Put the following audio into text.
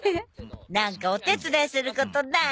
なんかお手伝いすることない？